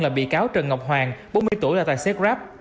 là bị cáo trần ngọc hoàng bốn mươi tuổi là tài xế grab